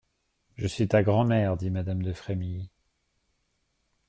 Je suis ta grand'mère, dit madame de Frémilly.